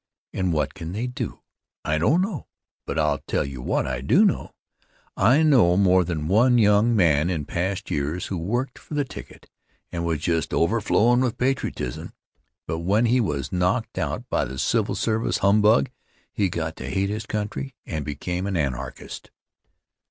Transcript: And what can they do? I don't know, but I'll tell you what I do know. I know more than one young man in past years who worked for the ticket and was just overflowin' with patriotism, but when he was knocked out by the civil service humbug he got to hate his country and became an Anarchist.